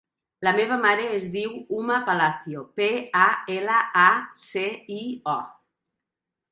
La meva mare es diu Uma Palacio: pe, a, ela, a, ce, i, o.